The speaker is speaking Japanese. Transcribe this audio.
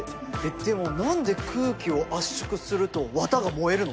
でも何で空気を圧縮すると綿が燃えるの？